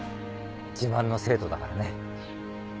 自慢の生徒だからね。